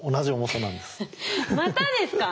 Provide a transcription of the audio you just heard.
またですか。